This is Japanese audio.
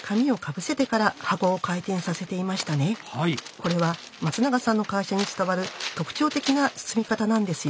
これは松永さんの会社に伝わる特徴的な包み方なんですよ。